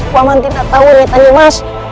paman tidak tau rata nih mas